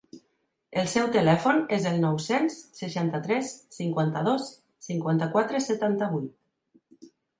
El seu telèfon és el nou-cents seixanta-tres cinquanta-dos cinquanta-quatre setanta-vuit.